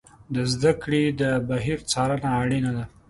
د زده کړې د بهیر څارنه اړینه ده.